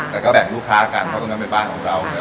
แต่ก็แบ่งลูกค้ากันเพราะตรงนั้นเป็นบ้านของเรา